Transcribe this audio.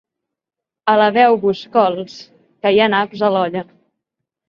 Alabeu-vos, cols, que hi ha naps a l'olla.